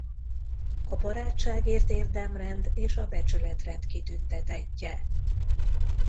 A Barátságért érdemrend és a Becsületrend kitüntetettje.